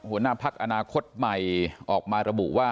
หัวหน้าพักอนาคตใหม่ออกมาระบุว่า